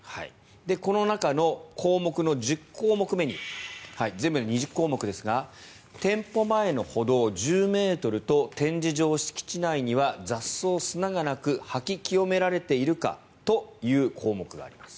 この中の項目の１０項目目に全部で２０項目ですが店舗前の歩道１０ｍと展示場、敷地内には雑草、砂がなく掃き清められているか？という項目があります。